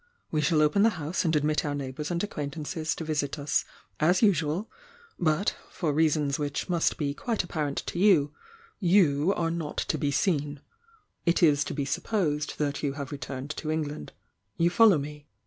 We shall open the house and admit our neighbours and acquamt anees to visit us as usual, but — for reasons which must be quite apparent to you — you are not to be seen. It is to be supposed that you have returned to England. You follow me?"